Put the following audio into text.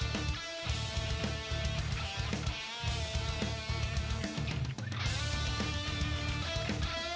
เชื่อมี่ของรายการ